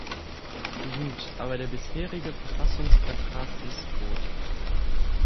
Gut, aber der bisherige Verfassungsvertrag ist tot.